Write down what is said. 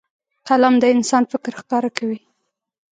قلم د انسان فکر ښکاره کوي